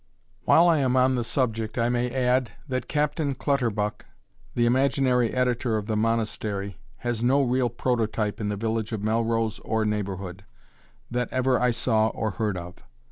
While I am on the subject I may add, that Captain Clutterbuck, the imaginary editor of the Monastery, has no real prototype in the village of Melrose or neighbourhood, that ever I saw or heard of.